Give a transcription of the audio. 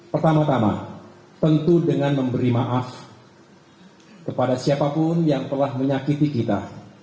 pertama tama tentu dengan memberi maaf kepada siapapun yang telah menyakiti kita